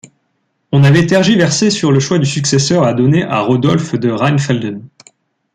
On avait tergiversé sur le choix du successeur à donner à Rodolphe de Rheinfelden.